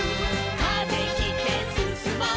「風切ってすすもう」